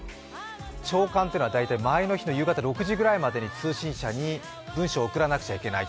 朝刊というのは前の日の大体６時ぐらいに通信社に文書を送らなくちゃいけない。